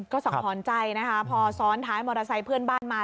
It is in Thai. ก็สังหรณ์ใจนะคะพอซ้อนท้ายมอเตอร์ไซค์เพื่อนบ้านมา